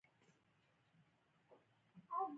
سیاسي اسلام د مومنو مسلمانانو دنیايي اړتیاوې پوره کوي.